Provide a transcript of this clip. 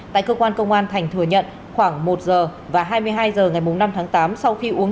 tại cơ quan công an thành thừa nhận khoảng một giờ và hai mươi hai giờ ngày năm tháng tám